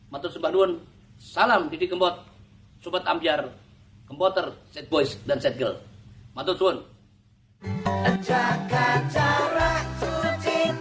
matut subahduun salam didi kempot sobat ambiar kempotter sad boys dan sad girls matut subahduun